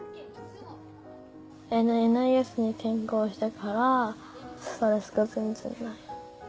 ＮＩＳに転校してからストレスが全然ない。